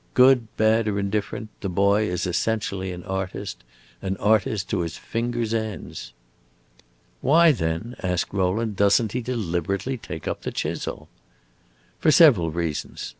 Good, bad, or indifferent, the boy is essentially an artist an artist to his fingers' ends." "Why, then," asked Rowland, "does n't he deliberately take up the chisel?" "For several reasons.